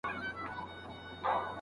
موږ له مفهومي برخې شناخت ترلاسه کوو.